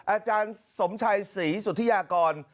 อาจารย์สมชัยศรีสุธิยากร